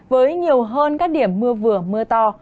với nhiều hơn các điểm mưa vừa mưa to